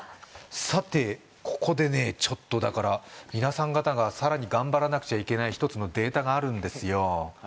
さてここでねちょっとだから皆さん方がさらに頑張らなくちゃいけない一つのデータがあるんですよ